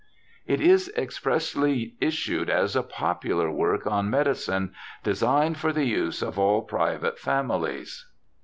It is expressly issued as a popular work on medicine. Designed for the Use of all Private Families.